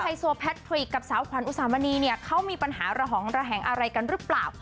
โซแพทริกกับสาวขวัญอุสามณีเนี่ยเขามีปัญหาระหองระแหงอะไรกันหรือเปล่า